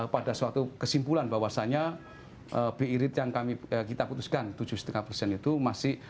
pada suatu kesimpulan bahwasanya biirit yang kami kita putuskan tujuh setengah persen itu masih